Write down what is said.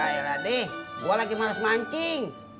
akhirnya deh gue lagi males mancing